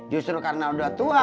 justru karena udah tua